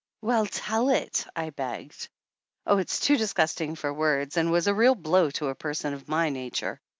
"Well, tell it!" I begged. "Oh, it's too disgusting "for words, and was a real blow to a person of my nature